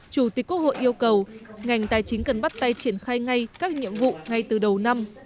chủ tịch quốc hội yêu cầu ngành tài chính cần bắt tay triển khai ngay các nhiệm vụ ngay từ đầu năm